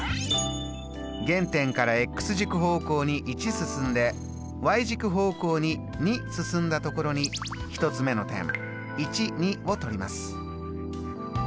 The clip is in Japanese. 原点から軸方向に１進んで軸方向に２進んだところに１つ目の点を取ります。